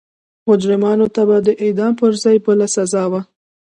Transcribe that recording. مجرمانو ته به د اعدام پر ځای بله سزا وه.